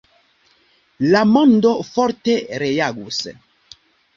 La mondo forte reagus.